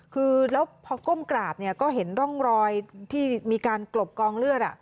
คือแล้วพอก้มกราบเนี่ยก็เห็นร่องรอยที่มีการกลบกองเลือด